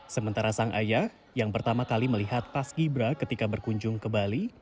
sementara sang ayah yang pertama kali melihat paski bra ketika berkunjung ke bali